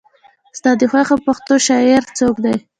ستا د خوښې پښتو شاعر څوک دی؟